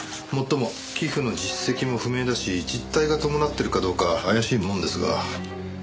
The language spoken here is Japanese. もっとも寄付の実績も不明だし実態が伴っているかどうか怪しいもんですが。